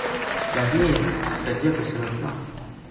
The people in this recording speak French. L’avenir, c’est-à-dire que c’est maintenant.